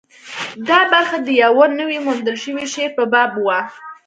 دا برخه د یوه نوي موندل شوي شعر په باب وه.